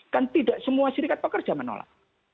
kan tidak semua serikat pekerja menolak